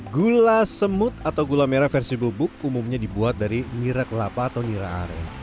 gula semut atau gula merah versi bubuk umumnya dibuat dari nira kelapa atau nira are